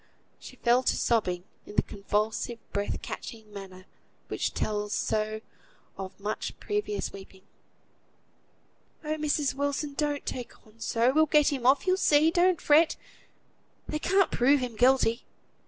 She fell to sobbing, in the convulsive breath catching manner which tells so of much previous weeping. "Oh! Mrs. Wilson, don't take on so! We'll get him off, you'll see. Don't fret; they can't prove him guilty!"